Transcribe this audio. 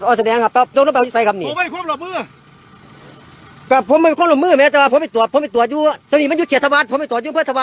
ก็แสดงพันธุ์ผมเนี้ยครับเพราะว่าผมจะไปหันนะฮะตัวถือกเดี๋ยว